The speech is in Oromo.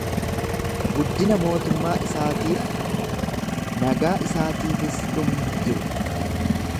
Guddina mootummaa isaatiif, nagaa isaatiifis dhumni hin jiru.